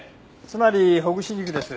つまりほぐし肉です。